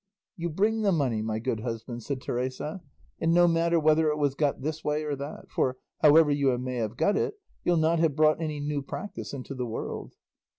"You bring the money, my good husband," said Teresa, "and no matter whether it was got this way or that; for, however you may have got it, you'll not have brought any new practice into the world."